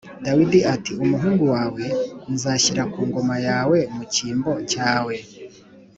Dawidi ati ‘Umuhungu wawe nzashyira ku ngoma yawe mu cyimbo cyawe’